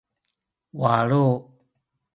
walu